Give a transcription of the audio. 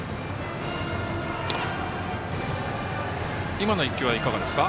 今の１球はいかがですか？